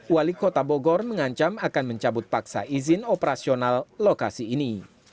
wali kota bogor mengancam akan mencabut paksa izin operasional lokasi ini